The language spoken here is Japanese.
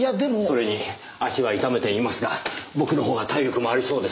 それに足は痛めていますが僕のほうが体力もありそうですし。